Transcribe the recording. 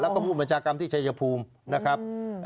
แล้วก็ผู้บัญชาการที่ชายภูมินะครับ